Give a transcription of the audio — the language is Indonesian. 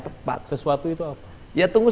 tepat sesuatu itu apa ya tunggu